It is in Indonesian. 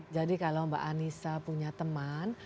jadi kalau mbak anissa punya teman